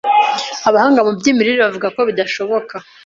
abahanga mu by’imirire bavuga ko bidashoboka